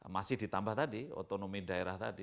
masih ditambah tadi otonomi daerah tadi